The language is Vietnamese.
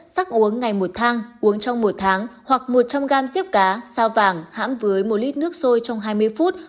sắc uống ngày một thang uống trong một tháng hoặc một trăm linh gram siếc cá sao vàng hãm với một lít nước sôi trong hai mươi phút